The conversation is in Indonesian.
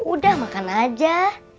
udah makan aja